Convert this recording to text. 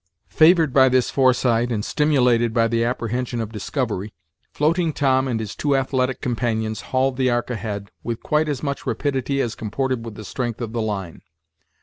Favored by this foresight, and stimulated by the apprehension of discovery, Floating Tom and his two athletic companions hauled the ark ahead with quite as much rapidity as comported with the strength of the line.